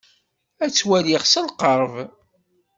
Ad t-waliɣ s lqerb.